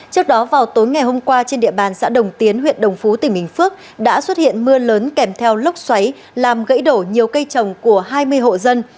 trước đó vào tối ngày hôm qua trên địa bàn xã đồng tiến huyện đồng phú tỉnh bình phước đã xuất hiện mưa lớn kèm theo lốc xoáy làm gãy đổ nhiều cây trồng của hai mươi hộ dân